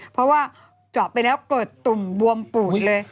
เพราะว่าเจาะไปแล้วเกิดตุ่มบวมปูดเลย